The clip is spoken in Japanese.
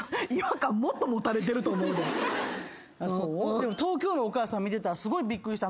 でも東京のお母さん見てたらすごいびっくりした。